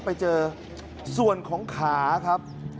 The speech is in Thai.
ไปเจอส่วนของขาครับ